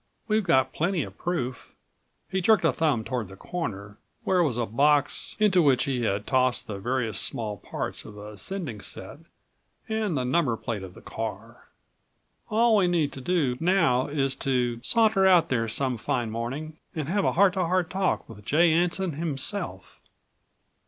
We've got plenty of proof." He jerked a thumb toward the corner where was a box into which he had tossed the various small parts of a sending set and the number plate of the car. "All we need to do now is to saunter out there some fine morning and have a heart to heart talk with J. Anson himself."